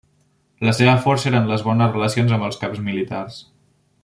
La seva força eren les bones relacions amb els caps militars.